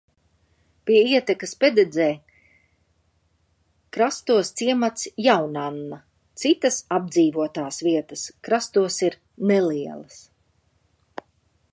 Pie ietekas Pededzē krastos ciemats Jaunanna, citas apdzīvotās vietas krastos ir nelielas.